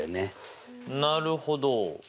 なるほど。